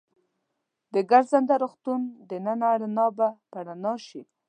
د ګرځنده روغتون دننه رڼا به په رڼا شي.